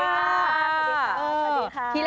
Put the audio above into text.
สวัสดีค่ะ